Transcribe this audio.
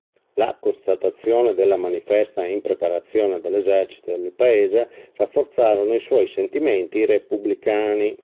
La constatazione della manifesta impreparazione dell'esercito e del Paese rafforzarono i suoi sentimenti repubblicani.